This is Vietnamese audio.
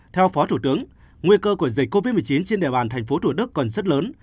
theo phó thủ tướng nguy cơ của dịch covid một mươi chín trên địa bàn thành phố thủ đức còn rất lớn